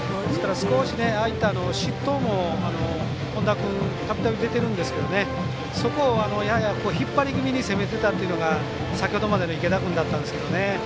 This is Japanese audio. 少し、ああいった失投も本田君たびたび出てるんですけどそこをやや引っ張り気味に攻めてたっていうのが先ほどまでの池田君だったんですけどね。